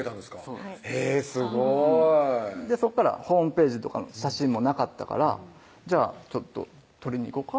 そうなんですへぇすごいそこからホームページとかの写真もなかったから「じゃあちょっと撮りに行こか」